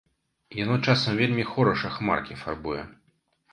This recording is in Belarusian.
Яно часам вельмі хораша хмаркі фарбуе.